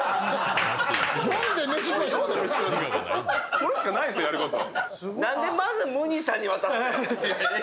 それしかないんですよ、やること。